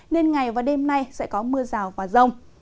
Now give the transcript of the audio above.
nên ngày và đêm nay sẽ có mưa rào và rông